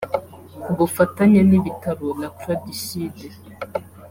ku bufatanye n’ibitaro la Croix du Sud